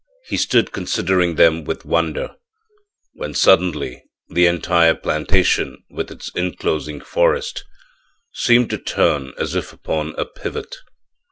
He stood considering them with wonder, when suddenly the entire plantation, with its inclosing forest, seemed to turn as if upon a pivot.